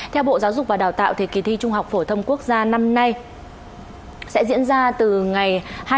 theo bộ giáo dục và đào tạo thì kỳ thi trung học phổ thông quốc gia năm nay sẽ diễn ra từ ngày hai mươi bốn cho đến ngày hai mươi bảy tháng sáu